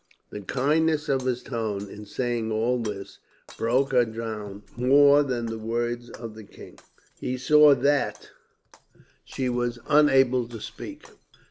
"The kindness of his tone, in saying all this, broke her down more than the words of the king. He saw that she was unable to speak.